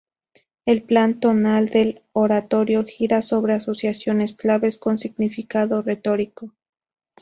El plan tonal del oratorio gira sobre asociaciones claves con significado retórico.